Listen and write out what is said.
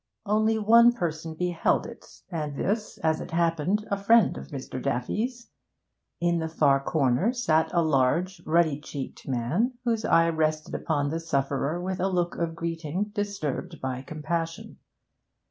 Only one person beheld it, and this, as it happened, a friend of Mr. Daffy's. In the far corner sat a large, ruddy cheeked man, whose eye rested upon the sufferer with a look of greeting disturbed by compassion.